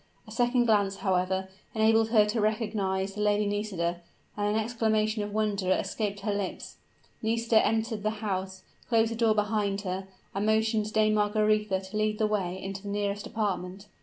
A second glance, however, enabled her to recognize the Lady Nisida; and an exclamation of wonder escaped her lips. Nisida entered the house, closed the door behind her, and motioned Dame Margaretha to lead the way into the nearest apartment.